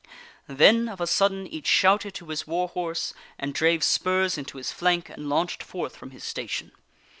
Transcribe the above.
Then, of a sudden, each shouted to his war horse, and drave spurs into his flank, and launched forth from his station.